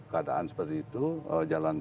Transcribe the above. keadaan seperti itu jalan